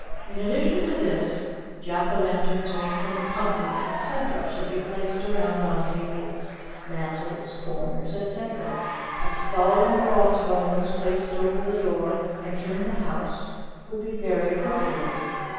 In addition to this Jack o' lanterns made from pumpkins, etc., should be placed around on tables, mantles, corners, etc. A skull and cross bones placed over the door entering the house would be very appropriate.